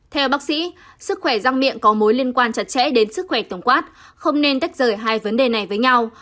theo bác sĩ sức khỏe răng miệng có mối liên quan chặt chẽ đến sức khỏe tổng quát không nên tách rời hai vấn đề này với nhau